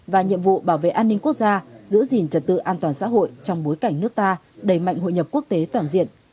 và nhiệm vụ bảo vệ an ninh quốc gia giữ gìn trật tự an toàn xã hội trong bối cảnh nước ta đẩy mạnh hội nhập quốc tế toàn diện